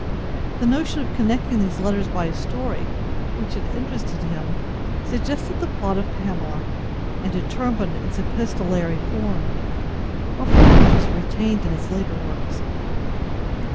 The notion of connecting these letters by a story which had interested him suggested the plot of "Pamela"; and determined its epistolary form—a form which was retained in his later works.